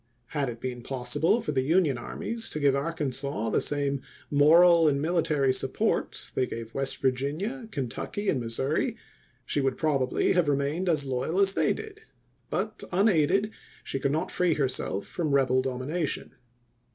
Had it been possible for the Union armies to give Arkansas the same moral and military support they gave West Vir ginia, Kentucky, and Missouri, she would probably have remained as loyal as they did ; but, unaided, she could not free herself from rebel domination.